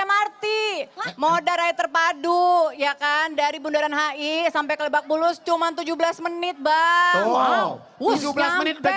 mrt moda raya terpadu ya kan dari bundaran hai sampai kelebak bulus cuman tujuh belas menit bang